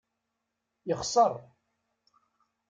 Yexṣer.